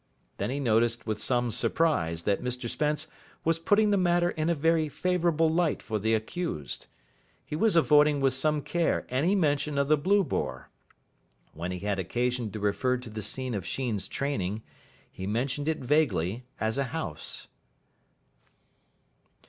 Then he noticed with some surprise that Mr Spence was putting the matter in a very favourable light for the accused. He was avoiding with some care any mention of the "Blue Boar". When he had occasion to refer to the scene of Sheen's training, he mentioned it vaguely as a house.